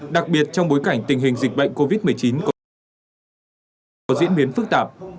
đặc biệt trong bối cảnh tình hình dịch bệnh covid một mươi chín còn có diễn biến phức tạp